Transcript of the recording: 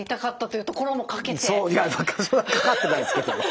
いやそれはかかってないですけど。